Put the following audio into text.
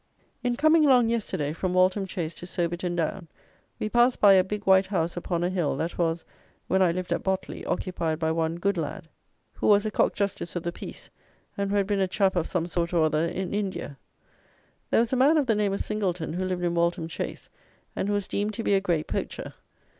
In coming along yesterday, from Waltham Chase to Soberton Down, we passed by a big white house upon a hill that was, when I lived at Botley, occupied by one Goodlad, who was a cock justice of the peace, and who had been a chap of some sort or other, in India. There was a man of the name of Singleton, who lived in Waltham Chase, and who was deemed to be a great poacher.